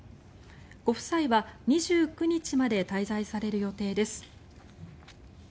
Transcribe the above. ご夫妻は２９日まで滞在される予定です。